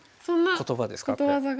言葉ですかこれ。